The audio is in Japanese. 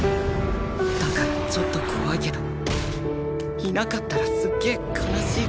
だからちょっと怖いけどいなかったらすっげえ悲しいけど